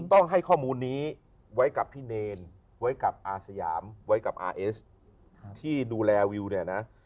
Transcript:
ต้องให้ข้อมูลนี้ไว้กับพี่เนรไว้กับอาสยามไว้กับอาร์เอสที่ดูแลวิวเนี่ยนะ